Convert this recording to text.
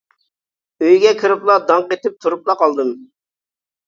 ئۆيگە كىرىپلا داڭ قېتىپ تۇرۇپلا قالدىم.